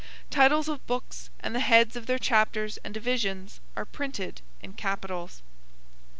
Titles of books and the heads of their chapters and divisions are printed in capitals.